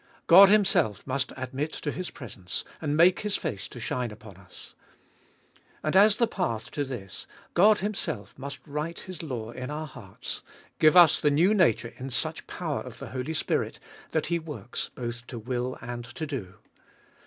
God Himself must admit to His presence, and make His face to shine upon us. And as the path to this, God Himself must write His law in our hearts, give us the new nature in such power of the Holy Spirit, that He works both to will and to do.